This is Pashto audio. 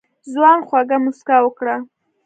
ځوان خوږه موسکا وکړه.